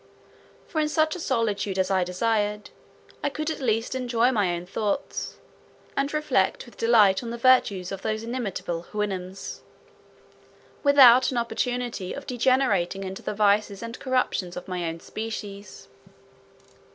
For in such a solitude as I desired, I could at least enjoy my own thoughts, and reflect with delight on the virtues of those inimitable Houyhnhnms, without an opportunity of degenerating into the vices and corruptions of my own species.